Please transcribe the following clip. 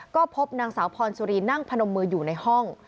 ก็พบนางสาวพรสุรีนั่งพนมมืออยู่ในห้อง